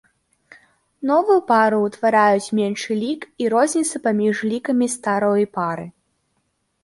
Новую пару ўтвараюць меншы лік і розніца паміж лікамі старой пары.